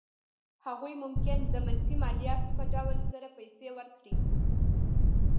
هغوی ممکن د منفي مالیاتو په ډول سره پیسې ورکړي.